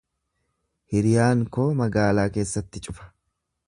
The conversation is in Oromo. Hiriyaan koo magaalaa keessatti cufa.